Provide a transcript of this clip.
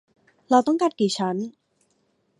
เราต้องการกี่ชั้น ?